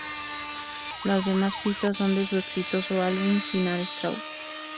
Las demás pistas son de su exitoso álbum "Final straw".